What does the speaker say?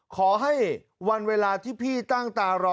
ขอให้วันเวลาที่พี่ตั้งตารอ